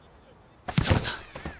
そうさ！